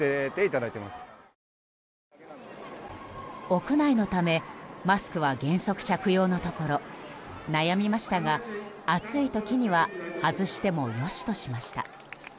屋内のためマスクは原則着用のところ悩みましたが、暑い時には外しても良しとしました。